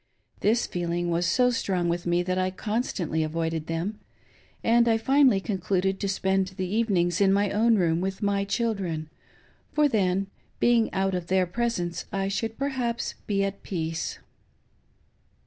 This feeling was so strong with me that I constantly avoided them, and I finally concluded 5IO MY CLAKAS LOVER. to spend the evenings in my own room with my children, for then, being out of their presence, I should perhaps be at peace.